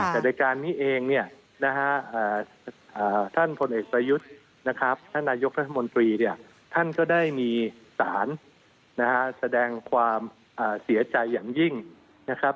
แต่ในการนี้เองเนี่ยนะฮะท่านพลเอกประยุทธ์นะครับท่านนายกรัฐมนตรีเนี่ยท่านก็ได้มีสารนะฮะแสดงความเสียใจอย่างยิ่งนะครับ